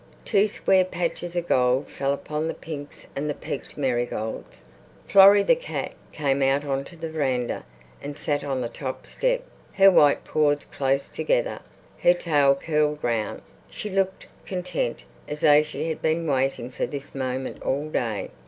Two square patches of gold fell upon the pinks and the peaked marigolds. Florrie, the cat, came out on to the veranda, and sat on the top step, her white paws close together, her tail curled round. She looked content, as though she had been waiting for this moment all day.